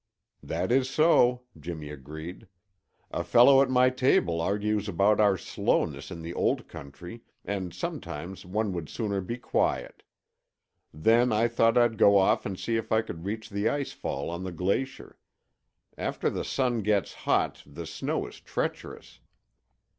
"That is so," Jimmy agreed. "A fellow at my table argues about our slowness in the Old Country and sometimes one would sooner be quiet. Then I thought I'd go off and see if I could reach the ice fall on the glacier; after the sun gets hot the snow is treacherous.